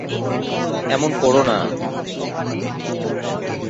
এমন কোরো না।